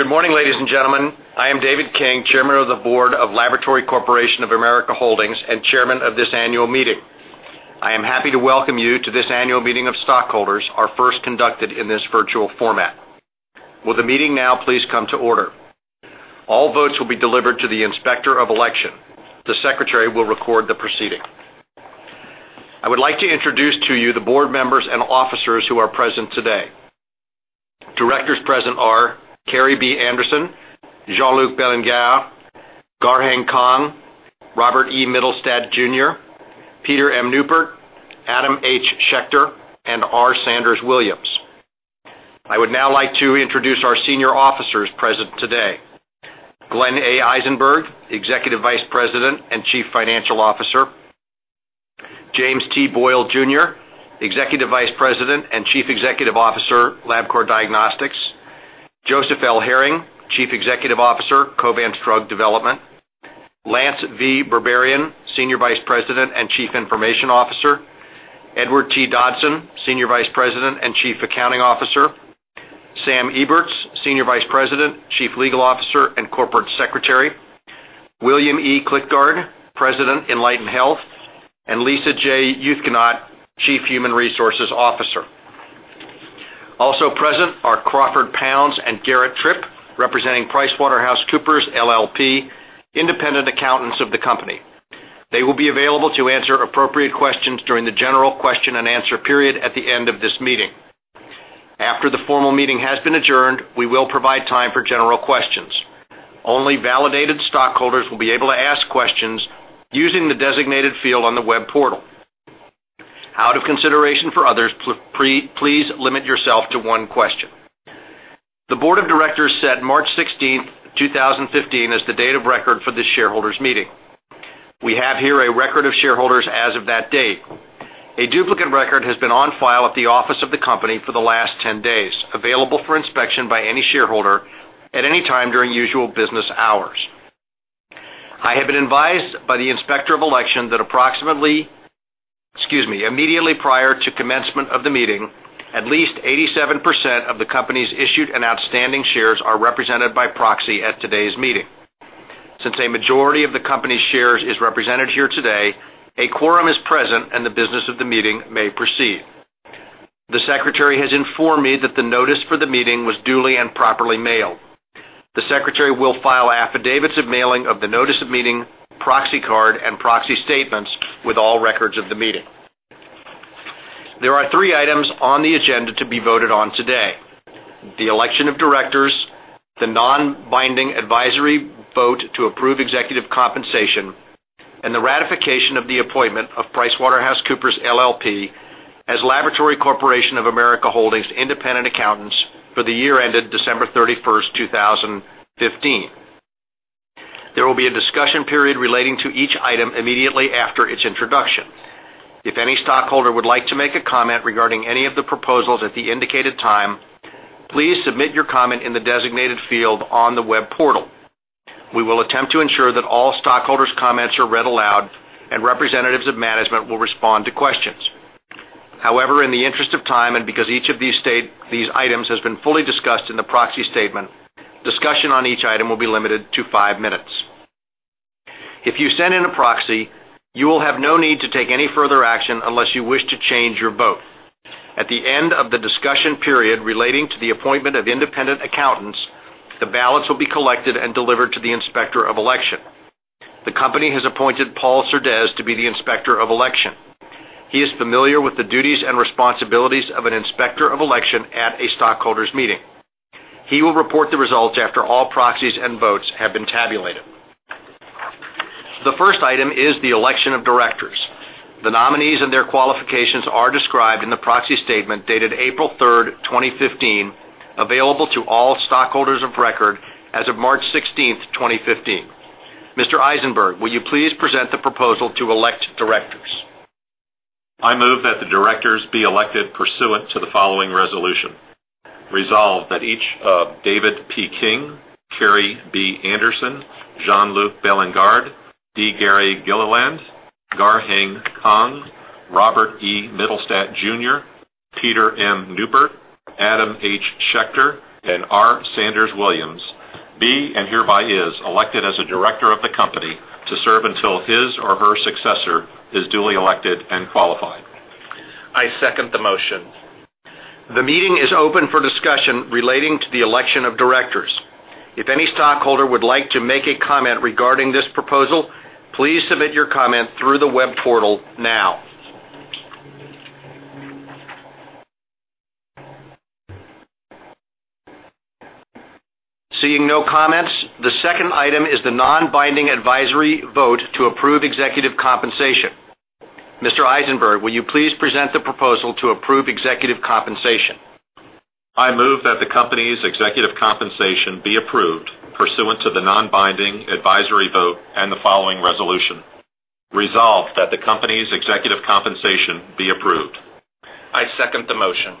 Good morning, ladies and gentlemen. I am David King, Chairman of the Board of Laboratory Corporation of America Holdings and Chairman of this annual meeting. I am happy to welcome you to this annual meeting of stockholders, our first conducted in this virtual format. Will the meeting now please come to order? All votes will be delivered to the Inspector of Election. The Secretary will record the proceeding. I would like to introduce to you the board members and officers who are present today. Directors present are Kerrii B. Anderson, Jean-Luc Bélingard, Garheng Kong, Robert E. Mittelstaedt, Jr., Peter M. Neupert, Adam H. Schechter, and R. Sanders Williams. I would now like to introduce our senior officers present today: Glenn A. Eisenberg, Executive Vice President and Chief Financial Officer; James T. Boyle, Jr., Executive Vice President and Chief Executive Officer, Labcorp Diagnostics; Joseph L. Herring, Chief Executive Officer, Covance Drug Development; Lance V. Berberian, Senior Vice President and Chief Information Officer; Edward T. Dodson, Senior Vice President and Chief Accounting Officer; Sam Eberts, Senior Vice President, Chief Legal Officer, and Corporate Secretary; William E. Klitgaard, President, Enlighten Health; and Lisa J. Youthkinot, Chief Human Resources Officer. Also present are Crawford Pounds and Garrett Tripp, representing PricewaterhouseCoopers LLP, independent accountants of the company. They will be available to answer appropriate questions during the general question and answer period at the end of this meeting. After the formal meeting has been adjourned, we will provide time for general questions. Only validated stockholders will be able to ask questions using the designated field on the web portal. Out of consideration for others, please limit yourself to one question. The Board of Directors set March 16th, 2015, as the date of record for this shareholders' meeting. We have here a record of shareholders as of that date. A duplicate record has been on file at the office of the company for the last 10 days, available for inspection by any shareholder at any time during usual business hours. I have been advised by the Inspector of Election that approximately—excuse me—immediately prior to commencement of the meeting, at least 87% of the company's issued and outstanding shares are represented by proxy at today's meeting. Since a majority of the company's shares is represented here today, a quorum is present and the business of the meeting may proceed. The Secretary has informed me that the notice for the meeting was duly and properly mailed. The Secretary will file affidavits of mailing of the notice of meeting, proxy card, and proxy statements with all records of the meeting. There are three items on the agenda to be voted on today: the election of directors, the non-binding advisory vote to approve executive compensation, and the ratification of the appointment of PricewaterhouseCoopers LLP as Laboratory Corporation of America Holdings Independent Accountants for the year ended December 31st, 2015. There will be a discussion period relating to each item immediately after its introduction. If any stockholder would like to make a comment regarding any of the proposals at the indicated time, please submit your comment in the designated field on the web portal. We will attempt to ensure that all stockholders' comments are read aloud and representatives of management will respond to questions. However, in the interest of time and because each of these items has been fully discussed in the proxy statement, discussion on each item will be limited to five minutes. If you send in a proxy, you will have no need to take any further action unless you wish to change your vote. At the end of the discussion period relating to the appointment of independent accountants, the ballots will be collected and delivered to the Inspector of Election. The company has appointed Paul Cerdez to be the Inspector of Election. He is familiar with the duties and responsibilities of an Inspector of Election at a stockholders' meeting. He will report the results after all proxies and votes have been tabulated. The first item is the election of directors. The nominees and their qualifications are described in the proxy statement dated April 3rd, 2015, available to all stockholders of record as of March 16th, 2015. Mr. Eisenberg, will you please present the proposal to elect directors? I move that the directors be elected pursuant to the following resolution. Resolve that each of David P. King, Kerrii B. Anderson, Jean-Luc Bélingard, D. Gary Gilliland, Garheng Kong, Robert E. Mittelstaedt, Jr., Peter M. Neupert, Adam H. Schechter, and R. Sanders Williams be and hereby is elected as a director of the company to serve until his or her successor is duly elected and qualified. I second the motion. The meeting is open for discussion relating to the election of directors. If any stockholder would like to make a comment regarding this proposal, please submit your comment through the web portal now. Seeing no comments, the second item is the non-binding advisory vote to approve executive compensation. Mr. Eisenberg, will you please present the proposal to approve executive compensation? I move that the company's executive compensation be approved pursuant to the non-binding advisory vote and the following resolution. Resolve that the company's executive compensation be approved. I second the motion.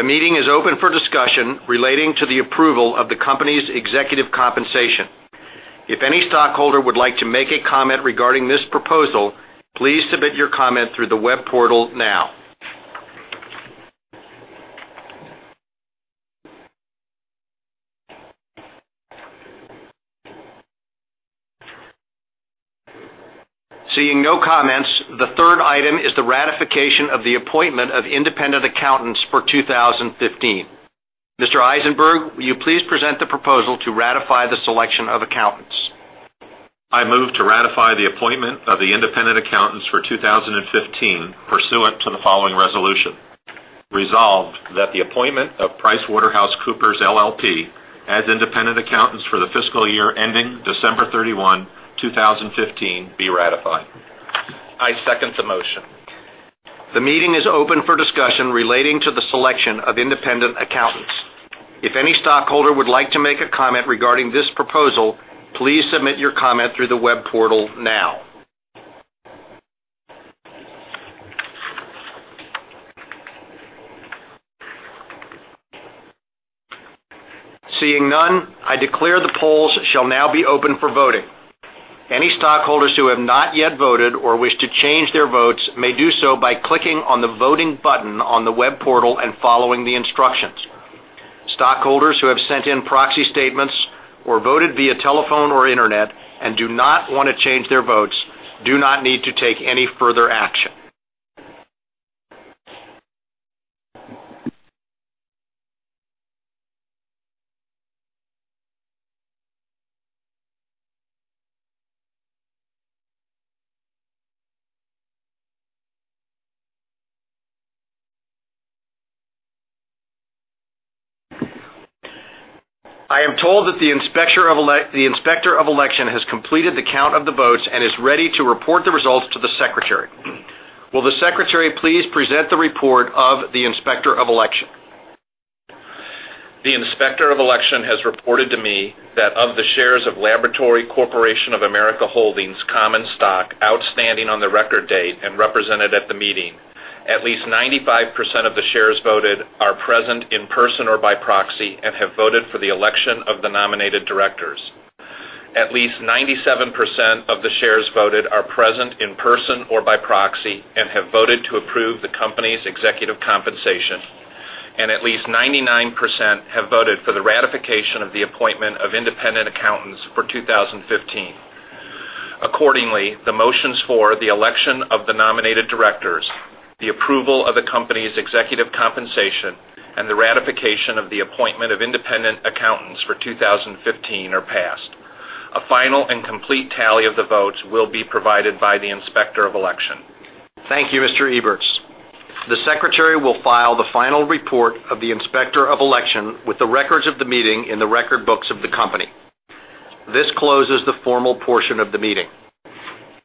The meeting is open for discussion relating to the approval of the company's executive compensation. If any stockholder would like to make a comment regarding this proposal, please submit your comment through the web portal now. Seeing no comments, the third item is the ratification of the appointment of independent accountants for 2015. Mr. Eisenberg, will you please present the proposal to ratify the selection of accountants? I move to ratify the appointment of the independent accountants for 2015 pursuant to the following resolution. Resolved that the appointment of PricewaterhouseCoopers LLP as independent accountants for the fiscal year ending December 31, 2015, be ratified. I second the motion. The meeting is open for discussion relating to the selection of independent accountants. If any stockholder would like to make a comment regarding this proposal, please submit your comment through the web portal now. Seeing none, I declare the polls shall now be open for voting. Any stockholders who have not yet voted or wish to change their votes may do so by clicking on the voting button on the web portal and following the instructions. Stockholders who have sent in proxy statements or voted via telephone or internet and do not want to change their votes do not need to take any further action. I am told that the Inspector of Election has completed the count of the votes and is ready to report the results to the Secretary. Will the Secretary please present the report of the Inspector of Election? The Inspector of Election has reported to me that of the shares of Laboratory Corporation of America Holdings Common Stock outstanding on the record date and represented at the meeting, at least 95% of the shares voted are present in person or by proxy and have voted for the election of the nominated directors. At least 97% of the shares voted are present in person or by proxy and have voted to approve the company's executive compensation, and at least 99% have voted for the ratification of the appointment of independent accountants for 2015. Accordingly, the motions for the election of the nominated directors, the approval of the company's executive compensation, and the ratification of the appointment of independent accountants for 2015 are passed. A final and complete tally of the votes will be provided by the Inspector of Election. Thank you, Mr. Eberts. The Secretary will file the final report of the Inspector of Election with the records of the meeting in the record books of the company. This closes the formal portion of the meeting.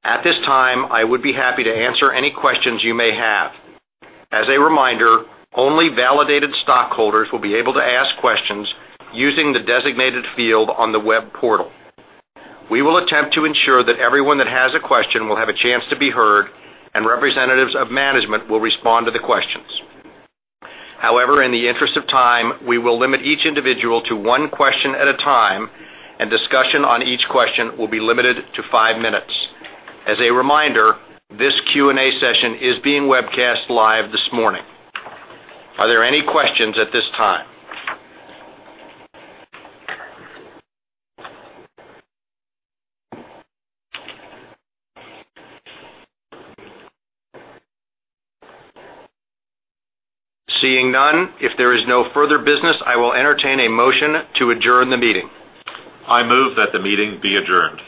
At this time, I would be happy to answer any questions you may have. As a reminder, only validated stockholders will be able to ask questions using the designated field on the web portal. We will attempt to ensure that everyone that has a question will have a chance to be heard, and representatives of management will respond to the questions. However, in the interest of time, we will limit each individual to one question at a time, and discussion on each question will be limited to five minutes. As a reminder, this Q&A session is being webcast live this morning. Are there any questions at this time? Seeing none, if there is no further business, I will entertain a motion to adjourn the meeting. I move that the meeting be adjourned.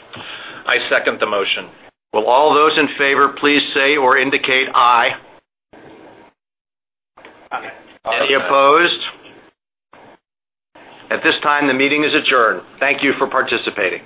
I second the motion. Will all those in favor please say or indicate aye? Any opposed? At this time, the meeting is adjourned. Thank you for participating.